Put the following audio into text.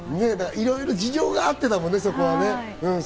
いろいろ事情があってだもんね、そこは。